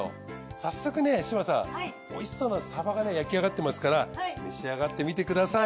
早速ね志真さんおいしそうなサバが焼き上がってますから召し上がってみてください。